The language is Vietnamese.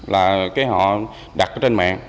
là họ đặt trên mạng